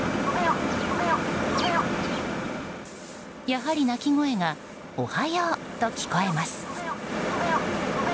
やはり鳴き声がおはようと聞こえます。